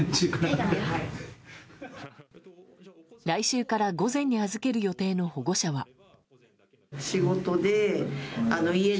来週から午前に預ける予定の保護者は。